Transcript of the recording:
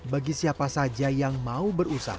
bagi siapa saja yang mau berusaha